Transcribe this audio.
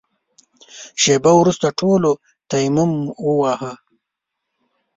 شېبه وروسته ټولو تيمم وواهه.